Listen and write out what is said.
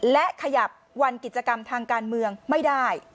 และขยับวันกิจกรรมทางการเมืองไม่ได้